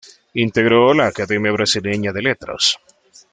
Integró la Academia Brasileña de Letras.